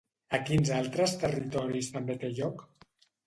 A quins altres territoris també té lloc?